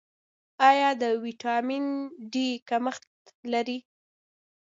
ایا د ویټامین ډي کمښت لرئ؟